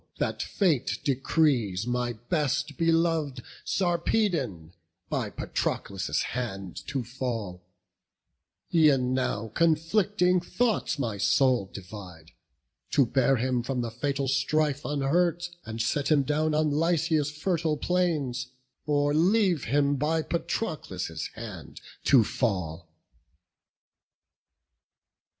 that fate decrees my best belov'd, Sarpedon, by Patroclus' hand to fall; E'en now conflicting thoughts my soul divide, To bear him from the fatal strife unhurt, And set him down on Lycia's fertile plains, Or leave him by Patroclus' hand to fall."